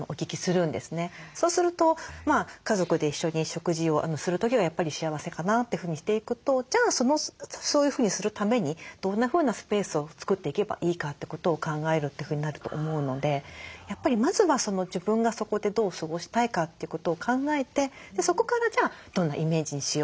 そうすると家族で一緒に食事をする時がやっぱり幸せかなというふうにしていくとじゃあそういうふうにするためにどんなふうなスペースを作っていけばいいかってことを考えるというふうになると思うのでやっぱりまずは自分がそこでどう過ごしたいかってことを考えてそこからじゃあどんなイメージにしよう